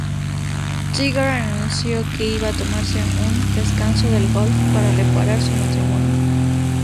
Tiger anunció que iba a tomarse un "descanso" del golf para reparar su matrimonio.